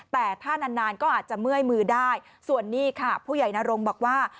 แต่ถ้านานนานก็อาจจะเมื่อยมือได้ส่วนนี้ค่ะผู้ใหญ่นรงบอกว่า